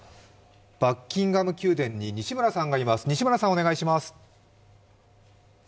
バッキンガム宮殿に西村さんがいます、お願いします。